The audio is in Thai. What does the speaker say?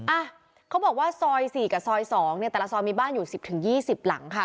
อ่ะเขาบอกว่าซอย๔กับซอย๒เนี่ยแต่ละซอยมีบ้านอยู่๑๐๒๐หลังค่ะ